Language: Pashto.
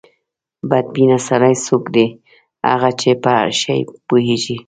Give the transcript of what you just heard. بد بینه سړی څوک دی؟ هغه چې په هر شي پوهېږي.